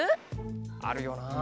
あるよな。